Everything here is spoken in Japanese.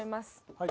はい。